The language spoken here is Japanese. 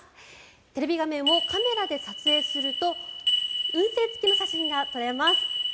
テレビ画面をカメラで撮影すると運勢付きの写真が撮れます。